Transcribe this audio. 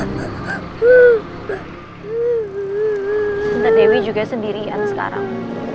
kita dewi juga sendirian sekarang